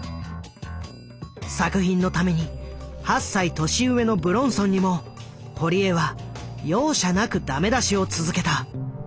作品のために８歳年上の武論尊にも堀江は容赦なくダメ出しを続けた。